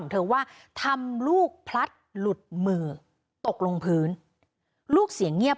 เธอว่าทำลูกพลัดหลุดมือตกลงพื้นลูกเสียงเงียบ